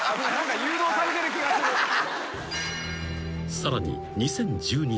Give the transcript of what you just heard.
［さらに２０１２年］